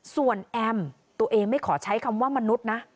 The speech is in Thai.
ส่วนแอมตัวเองไม่ขอใช้คำว่ามนุษย์นะ